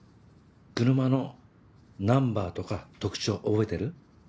車のナンバーとか特徴覚えてる？